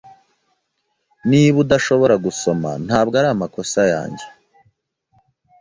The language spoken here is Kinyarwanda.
Niba udashobora gusoma, ntabwo ari amakosa yanjye.